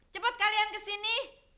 cepet kalian kesini